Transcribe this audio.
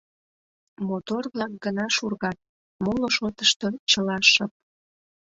Мотор-влак гына шургат, моло шотышто чыла шып.